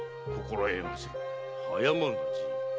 早まるなじい。